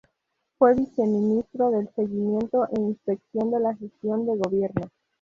Fue Viceministro de Seguimiento e Inspección de la Gestión de Gobierno.